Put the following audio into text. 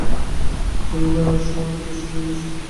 তিনি বেরে আলস্টন এর জন্য সদস্য হিসাবে ব্রিটিশ হাউসে যোগ দেন।